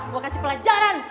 gue kasih pelajaran